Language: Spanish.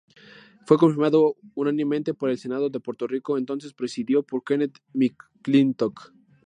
Fue confirmado unánimemente por el Senado de Puerto Rico, entonces presidido por Kenneth McClintock.